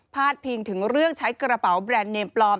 ดพิงถึงเรื่องใช้กระเป๋าแบรนด์เนมปลอม